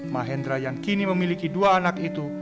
mahendra yang kini memiliki dua anak itu